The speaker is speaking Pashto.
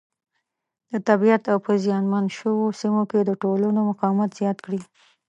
د طبیعیت او په زیان منو شویو سیمو کې د ټولنو مقاومت زیات کړي.